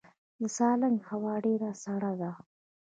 د سالنګ هوا ډیره سړه ده